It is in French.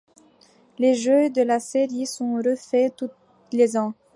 Les jeux de la série sont refaits tous les ans.